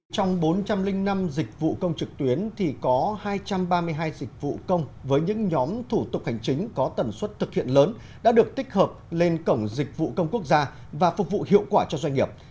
trong bốn trăm linh năm dịch vụ công trực tuyến thì có hai trăm ba mươi hai dịch vụ công với những nhóm thủ tục hành chính có tần suất thực hiện lớn đã được tích hợp lên cổng dịch vụ công quốc gia và phục vụ hiệu quả cho doanh nghiệp